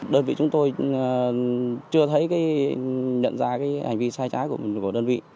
đơn vị chúng tôi chưa thấy nhận ra hành vi sai trái của đơn vị